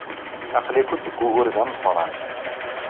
Aql-ikent deg wugur d ameqran.